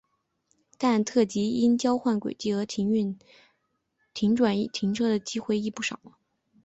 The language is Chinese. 但特急因交换轨道而运转停车的机会亦不少。